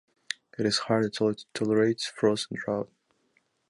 It is hardy, tolerates frost and drought.